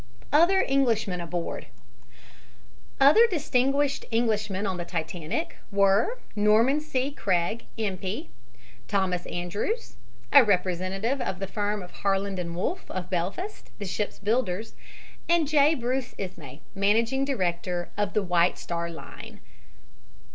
OTHER ENGLISHMEN ABOARD Other distinguished Englishmen on the Titanic were Norman C. Craig, M.P., Thomas Andrews, a representative of the firm of Harland & Wolff, of Belfast, the ship's builders, and J. Bruce Ismay, managing director of the White Star Line.